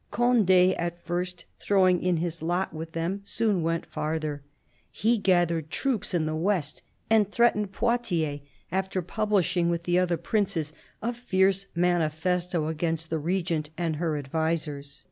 Conde, at first throwing in his lot with them, soon went farther. He gathered troops in the west and threatened Poitiers, after publishing, with the other princes, a fierce manifesto against the Regent and her advisers.